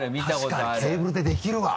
確かにケーブルでできるわ。